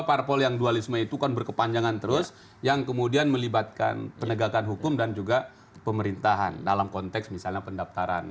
karena dualisme itu kan berkepanjangan terus yang kemudian melibatkan penegakan hukum dan juga pemerintahan dalam konteks misalnya pendaftaran